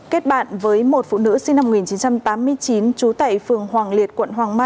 kết bạn với một phụ nữ sinh năm một nghìn chín trăm tám mươi chín trú tại phường hoàng liệt quận hoàng mai